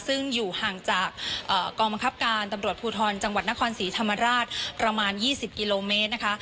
ซึ่งอยู่ห่างจากกองบังคับการตำรวจภูทรจังหวัดนครศรีธรรมราชประมาณ๒๐กิโลเมตรนะคะ